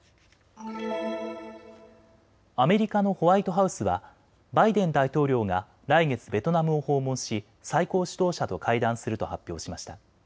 アメリカのホワイトハウスはバイデン大統領が来月、ベトナムを訪問し最高指導者と会談すると発表しました。